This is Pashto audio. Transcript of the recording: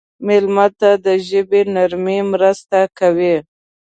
مېلمه ته د ژبې نرمي مرسته کوي.